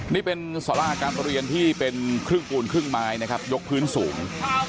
นี่เป็นสาราการประเรียนที่เป็นครึ่งปูนครึ่งไม้นะครับยกพื้นสูง